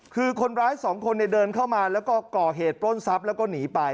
คือคนร้ายสองคนเดินเข้ามาแล้วก็ก่อเหตุปล้นทรัพย์แล้วก็หนีไป